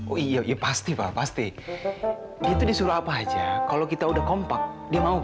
oh iya iya pasti pa pasti dia tuh disuruh apa aja kalau kita udah kompak dia mau pa